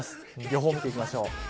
予報を見ていきましょう。